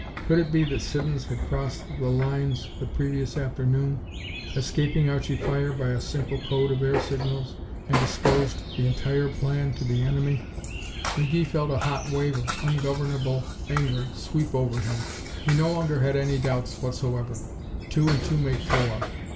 Could it be that Siddons had crossed the lines the previous afternoon, escaping Archie fire by a simple code of air signals, and disclosed the entire plan to the enemy? McGee felt a hot wave of ungovernable anger sweep over him. He no longer had any doubts whatsoever. Two and two make four.